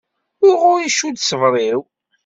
Uɣur icudd ṣṣber-iw.